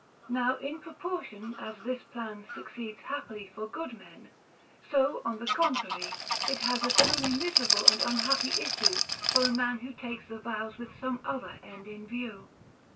Now in proportion as this plan succeeds happily for good men, so, on the contrary, it has a truly miserable and unhappy issue for a man who takes the vows with some other end in view.